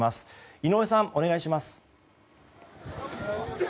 井上さん、お願いします。